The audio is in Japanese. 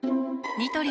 ニトリ